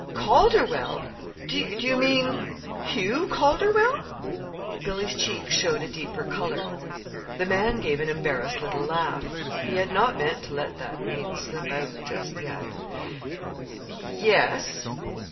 "Calderwell! Do you mean Hugh Calderwell?" Billy's cheeks showed a deeper color. The man gave an embarrassed little laugh. He had not meant to let that name slip out just yet. "Yes."